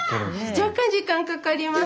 若干時間かかります。